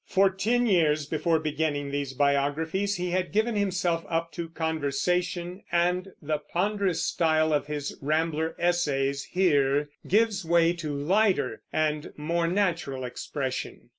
For ten years before beginning these biographies he had given himself up to conversation, and the ponderous style of his Rambler essays here gives way to a lighter and more natural expression.